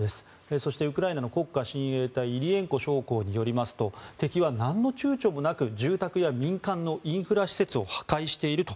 そして、ウクライナの国家親衛隊イリエンコ将校によりますと敵は何のちゅうちょもなく住宅や民間のインフラ施設を破壊していると。